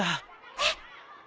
えっ！？